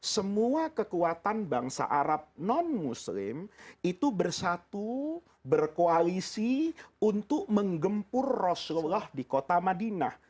semua kekuatan bangsa arab non muslim itu bersatu berkoalisi untuk menggempur rasulullah di kota madinah